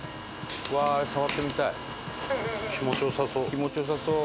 気持ち良さそう。